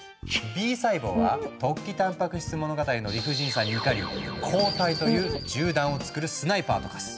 Ｂ細胞は「突起たんぱく質物語」の理不尽さに怒り抗体という銃弾をつくるスナイパーと化す。